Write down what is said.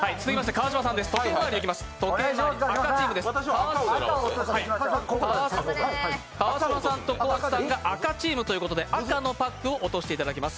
川島さんと高地さんが赤チームということで赤のパックを落としていただきます。